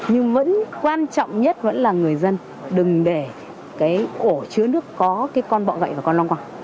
nhưng vẫn quan trọng nhất vẫn là người dân đừng để cái ổ chứa nước có cái con bọ gậy và con long quả